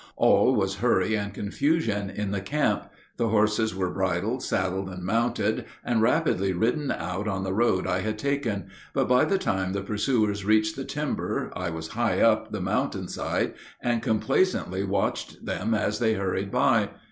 All was hurry and confusion in the camp. The horses were bridled, saddled, and mounted, and rapidly ridden out on the road I had taken; but by the time the pursuers reached the timber I was high up the mountain side, and complacently watched them as they hurried by.